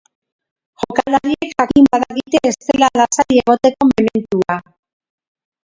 Jokalariek jakin badakite ez dela lasai egoteko mementoa.